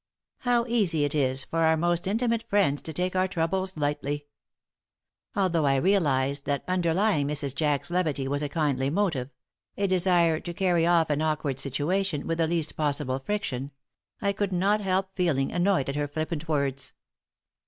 How easy it is for our most intimate friends to take our troubles lightly! Although I realized that underlying Mrs. Jack's levity was a kindly motive a desire to carry off an awkward situation with the least possible friction I could not help feeling annoyed at her flippant words.